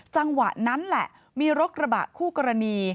จังหวะนั้นแหละมีรถกระบะคู่กรณี